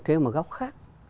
theo một góc khác